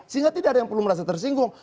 sehingga tidak ada yang perlu merasa tersinggung